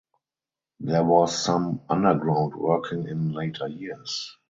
There was some underground working in later years.